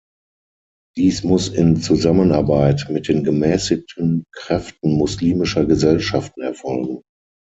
Dies muss in Zusammenarbeit mit den gemäßigten Kräften muslimischer Gesellschaften erfolgen.